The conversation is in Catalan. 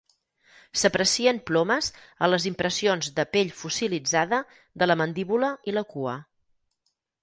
S'aprecien plomes a les impressions de pell fossilitzada de la mandíbula i la cua.